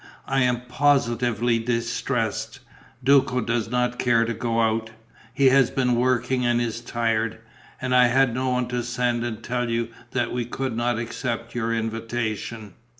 "I am positively distressed: Duco does not care to go out he has been working and is tired and I had no one to send and tell you that we could not accept your invitation."